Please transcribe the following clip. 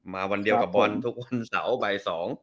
วันเดียวกับบอลทุกวันเสาร์บ่าย๒